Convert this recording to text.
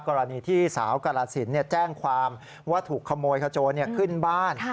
กรณีที่สาวกาลสินแจ้งความว่าถูกขโมยขโจรขึ้นบ้าน